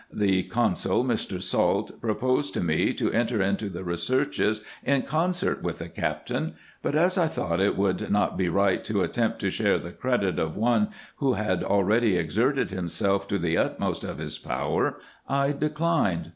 The consul, Mr. Salt, proposed to me, to enter into the researches in concert with the Captain ; but as I thought it would not be right to attempt to share the credit of one, who had already exerted himself to the utmost of his power, I declined.